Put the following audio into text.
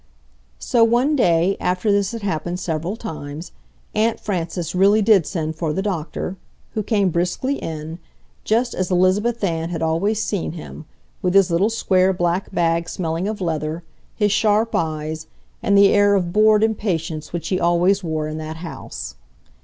So one day, after this had happened several times, Aunt Frances really did send for the doctor, who came briskly in, just as Elizabeth Ann had always seen him, with his little square black bag smelling of leather, his sharp eyes, and the air of bored impatience which he always wore in that house.